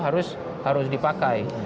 itu harus dipakai